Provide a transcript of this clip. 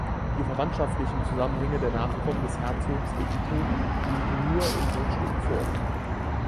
Die verwandtschaftlichen Zusammenhänge der Nachkommen des Herzogs Eticho liegen nur in Bruchstücken vor.